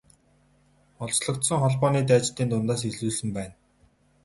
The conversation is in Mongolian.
Олзлогдсон холбооны дайчдын дундаас элсүүлсэн байна.